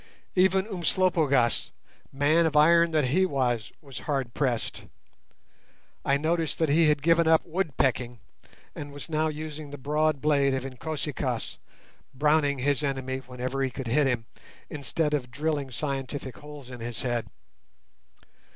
Even Umslopogaas, man of iron that he was, was hard pressed. I noticed that he had given up "woodpecking", and was now using the broad blade of Inkosi kaas, "browning" his enemy wherever he could hit him, instead of drilling scientific holes in his head.